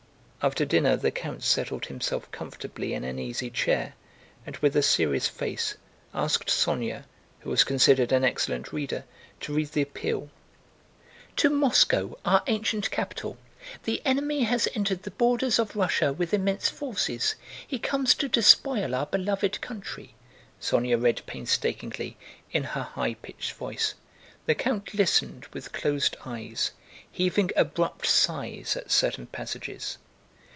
After dinner the count settled himself comfortably in an easy chair and with a serious face asked Sónya, who was considered an excellent reader, to read the appeal. "To Moscow, our ancient Capital! "The enemy has entered the borders of Russia with immense forces. He comes to despoil our beloved country." Sónya read painstakingly in her high pitched voice. The count listened with closed eyes, heaving abrupt sighs at certain passages.